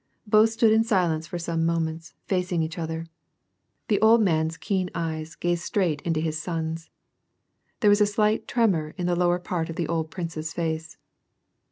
Both stood in silence for some moments, facing each other. 'The old man's keen eyes gazed straight into his * Kutazof . WAR AND PEACE. 129 son^s. There was a slight tremor iii the lower part of the old prince's face.